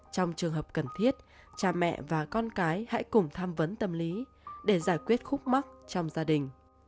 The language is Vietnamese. trong trường hợp cần thiết cha mẹ và con cái hãy cùng tham vấn tâm lý để giải quyết khúc mắc trong gia đình